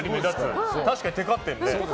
確かにテカってるね。